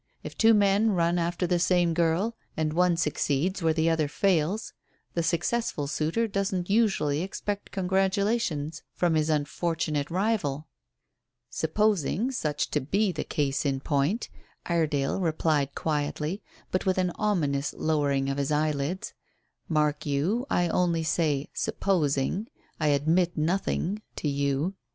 If two men run after the same girl and one succeeds where the other fails, the successful suitor doesn't usually expect congratulations from his unfortunate rival." "Supposing such to be the case in point," Iredale replied quietly, but with an ominous lowering of his eyelids. "Mark you, I only say 'supposing.' I admit nothing to you.